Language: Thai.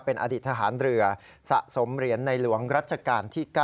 เป็นอดีตทหารเรือสะสมเหรียญในหลวงรัชกาลที่๙